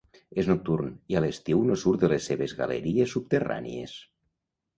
És nocturn, i a l'estiu no surt de les seves galeries subterrànies.